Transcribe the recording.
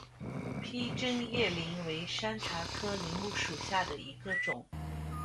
披针叶柃为山茶科柃木属下的一个种。